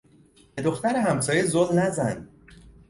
به دختر همسایه زل نزن!